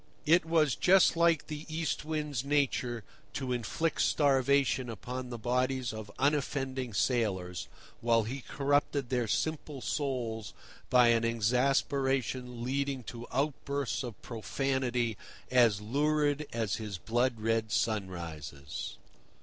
It was just like the East Wind's nature to inflict starvation upon the bodies of unoffending sailors, while he corrupted their simple souls by an exasperation leading to outbursts of profanity as lurid as his blood red sunrises.